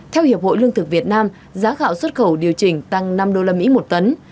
theo hiệp hội lương thực việt nam giá gạo xuất khẩu điều chỉnh tăng năm usd một tấn